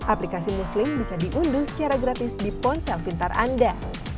aplikasi muslim bisa diunduh secara gratis di ponsel pintar anda